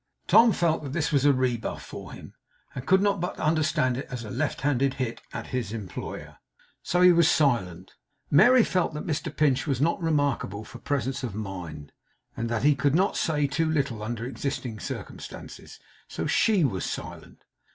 Tom felt that this was a rebuff for him, and could not but understand it as a left handed hit at his employer. So he was silent. Mary felt that Mr Pinch was not remarkable for presence of mind, and that he could not say too little under existing circumstances. So SHE was silent.